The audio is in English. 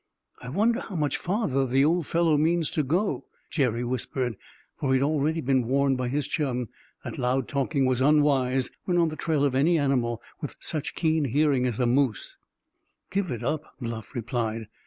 "I wonder how much farther the old fellow means to go?" Jerry whispered, for he had been already warned by his chum that loud talking was unwise when on the trail of any animal with such keen hearing as a moose. "Give it up," Bluff replied.